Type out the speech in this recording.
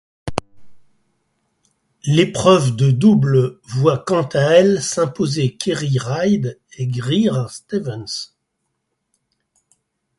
L'épreuve de double voit quant à elle s'imposer Kerry Reid et Greer Stevens.